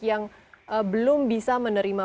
yang belum bisa menerima